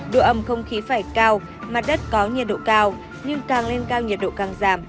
độ ẩm không khí phải cao mặt đất có nhiệt độ cao nhưng càng lên cao nhiệt độ càng giảm